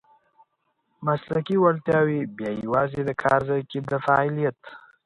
مسلکي وړتیاوې بیا یوازې کارځای کې د فعالیت .